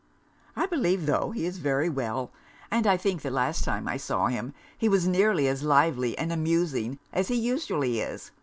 I believe, tho', he is very well; and I think the last time I saw him he was nearly as lively and amusing as he usually is.